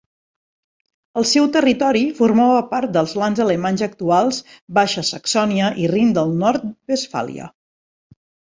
El seu territori formava part dels lands alemanys actuals Baixa Saxònia i Rin del Nord-Westfàlia.